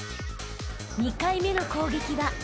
［２回目の攻撃は］